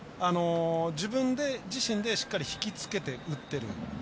自分自身でしっかり引き付けて打ってる。